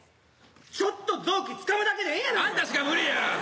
ちょっと臓器つかむだけでええやないの。あんたしか無理や。